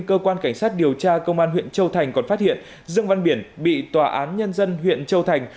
cơ quan cảnh sát điều tra công an huyện châu thành còn phát hiện dương văn biển bị tòa án nhân dân huyện châu thành